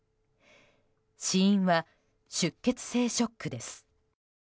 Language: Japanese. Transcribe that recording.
死因は出血性ショックです。